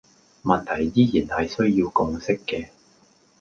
問題依然係需要共識嘅